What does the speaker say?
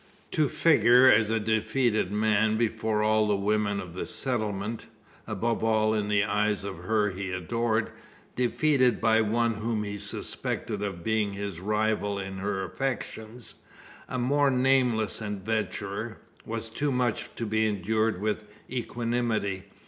To figure as a defeated man before all the women of the settlement above all in the eyes of her he adored, defeated by one whom he suspected of being his rival in her affections a more nameless adventurer was too much to be endured with equanimity.